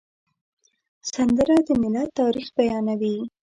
سندره د ملت تاریخ بیانوي